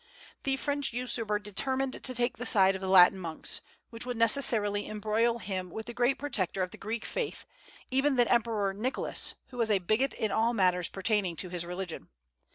The French usurper determined to take the side of the Latin monks, which would necessarily embroil him with the great protector of the Greek faith, even the Emperor Nicholas, who was a bigot in all matters pertaining to his religion.